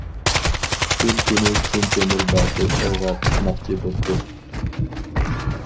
بىر كۈنى چىن تۆمۈر باتۇر ئوۋغا چىقماقچى بوپتۇ.